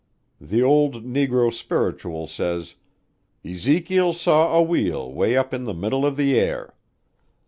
The old Negro spiritual says, "Ezekiel saw a wheel 'way up in the middle of the air."